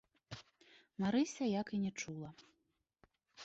Марыся як і не чула.